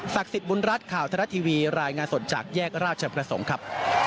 สิทธิ์บุญรัฐข่าวทรัฐทีวีรายงานสดจากแยกราชประสงค์ครับ